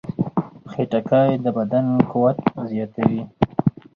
خټکی د بدن قوت زیاتوي.